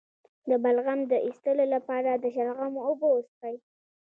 د بلغم د ایستلو لپاره د شلغم اوبه وڅښئ